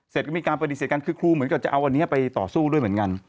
เสร็จก็มีการปฏิเสธกันคือครูเหมือนกับจะเอาอันนี้ไปต่อสู้ด้วยเหมือนกัน